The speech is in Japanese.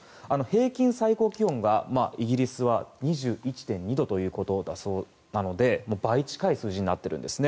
平均最高気温がイギリスは２１．２度だそうなので倍近い数字になっています。